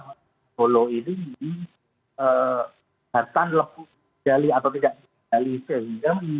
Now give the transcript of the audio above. taktronton waju dari arah semarang